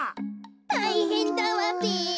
たいへんだわべ。